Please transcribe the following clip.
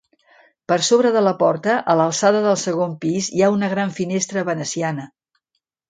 Per sobre de la porta a l'alçada del segon pis hi ha una gran finestra veneciana.